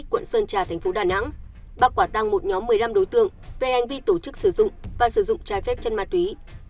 quận sơn trà thành phố đà nẵng bắt quả tăng một nhóm một mươi năm đối tượng về hành vi tổ chức sử dụng và sử dụng trái phép chân ma túy